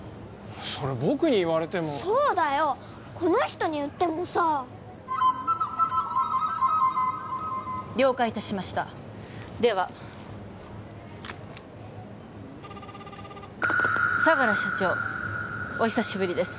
それ僕に言われてもそうだよこの人に言ってもさ了解いたしましたでは相楽社長お久しぶりです